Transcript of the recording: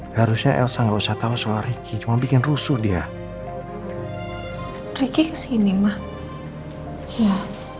harusnya elsa nggak usah tahu soal ricky cuma bikin rusuh dia ricky kesini mah ya